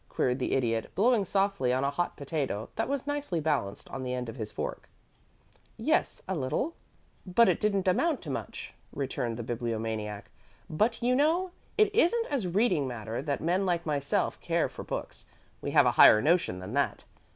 queried the Idiot, blowing softly on a hot potato that was nicely balanced on the end of his fork. [Illustration: "ALARMED THE COOK"] "Yes, a little; but it didn't amount to much," returned the Bibliomaniac. "But, you know, it isn't as reading matter that men like myself care for books. We have a higher notion than that.